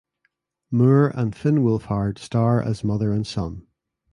Moore and Finn Wolfhard star as mother and son.